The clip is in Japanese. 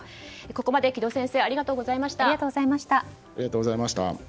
ここまで、城戸先生ありがとうございました。